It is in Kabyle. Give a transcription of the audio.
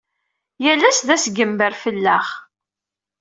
Yal ass d-asgember fell-aɣ.